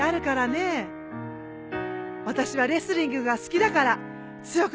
私はレスリングが好きだから強くなりたい。